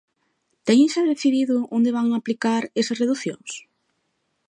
Teñen xa decidido onde van aplicar esas reducións?